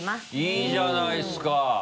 いいじゃないですか！